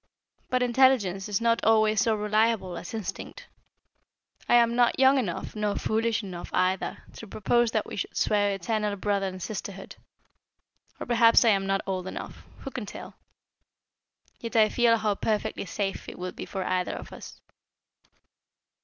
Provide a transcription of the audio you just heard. But intelligence is not always so reliable as instinct. I am not young enough nor foolish enough either, to propose that we should swear eternal brother and sisterhood or perhaps I am not old enough, who can tell? Yet I feel how perfectly safe it would be for either of us."